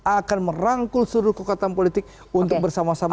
akan merangkul seluruh kekuatan politik untuk bersama sama